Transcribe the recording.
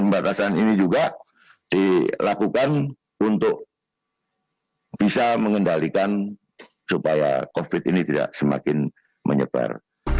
pembatasan ini juga dilakukan untuk bisa mengendalikan supaya covid ini tidak semakin menyebar